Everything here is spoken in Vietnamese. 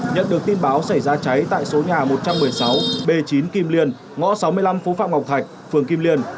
nhận được tin báo xảy ra cháy tại số nhà một trăm một mươi sáu b chín kim liên ngõ sáu mươi năm phố phạm ngọc thạch phường kim liên